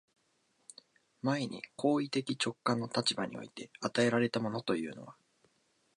前に行為的直観の立場において与えられたものというのは、